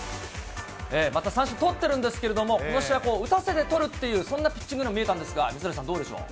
また三振取ってるんですけど、ことしは打たせて取るという、そんなピッチングにも見えたんですが、水谷さん、どうでしょう。